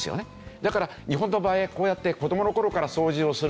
だから日本の場合はこうやって子どもの頃から掃除をする。